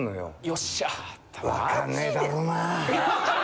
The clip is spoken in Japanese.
よっしゃあ。